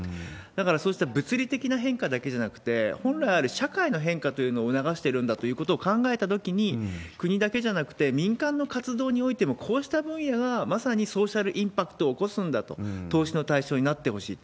だから、そうした物理的な変化だけじゃなくて、本来ある社会の変化というのを促してるんだということを考えたときに、国だけじゃなくて民間の活動においても、こうした分野がまさにソーシャルインパクトを起こすんだと、投資の対象になってほしい。